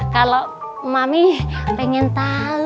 kalau mami pengen tau